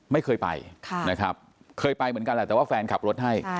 ไม่เคยไปนะครับเคยไปเหมือนกันแหละแต่ว่าแฟนขับรถให้